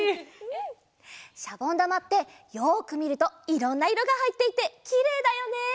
しゃぼんだまってよくみるといろんないろがはいっていてきれいだよね！